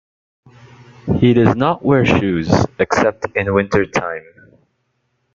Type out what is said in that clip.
He does not wear shoes, except in winter time.